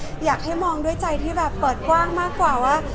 อยากให้มองด้วยใจที่แบบเปิดกว้างมากกว่าว่า